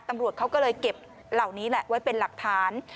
ตำรวจเขาก็เลยเก็บเหล่านี้แหละไว้เป็นหลักฐาน